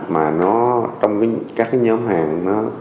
mà nó trong các nhóm hàng